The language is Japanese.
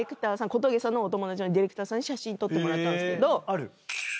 小峠さんのお友達のディレクターさんに写真撮ってもらったんですけど。